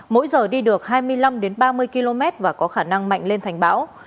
mỗi giờ đi được hai mươi năm ba mươi km và có khả năng mạnh lên thành bão